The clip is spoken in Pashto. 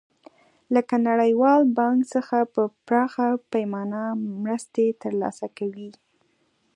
لکه نړیوال بانک څخه په پراخه پیمانه مرستې تر لاسه کوي.